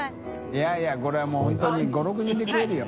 い笋いこれはもう本当に５６人で食えるよ。